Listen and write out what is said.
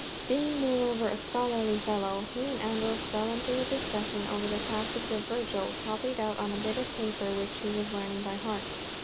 Being moreover a scholarly fellow, he and Ambrose fell into a discussion over the passage of Virgil, copied out on a bit of paper, which he was learning by heart.